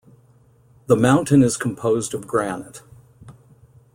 The mountain is composed of granite.